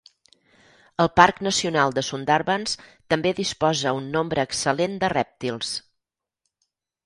El parc nacional de Sundarbans també disposa un nombre excel·lent de rèptils.